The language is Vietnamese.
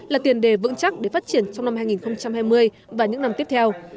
là tiền đề vững chắc để phát triển trong năm hai nghìn hai mươi và những năm tiếp theo